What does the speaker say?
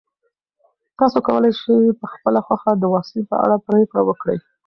تاسو کولی شئ په خپله خوښه د واکسین په اړه پرېکړه وکړئ.